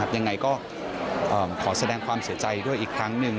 ยังไงก็ขอแสดงความเสียใจด้วยอีกครั้งหนึ่ง